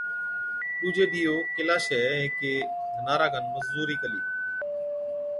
ڏُوجي ڏِيئو ڪيلاشَي هيڪي ڌنارا کن مزُورِي ڪلِي،